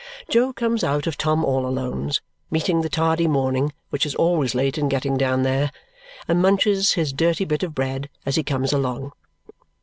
Jo comes out of Tom all Alone's, meeting the tardy morning which is always late in getting down there, and munches his dirty bit of bread as he comes along.